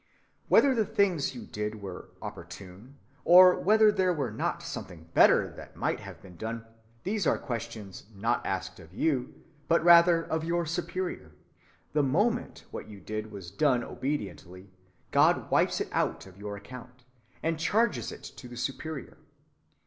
Whether the things you did were opportune, or whether there were not something better that might have been done, these are questions not asked of you, but rather of your Superior. The moment what you did was done obediently, God wipes it out of your account, and charges it to the Superior.